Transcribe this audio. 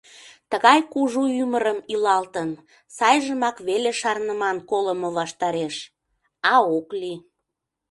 — Тыгай кужу ӱмырым илалтын, сайжымак веле шарныман колымо ваштареш, а ок лий.